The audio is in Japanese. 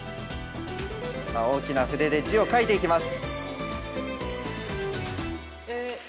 大きな筆で字を書いていきます。